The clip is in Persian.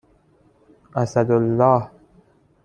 اسدالله